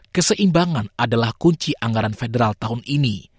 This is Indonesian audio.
keseimbangan adalah kunci anggaran federal tahun ini